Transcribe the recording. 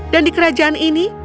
dan di kerajaan ini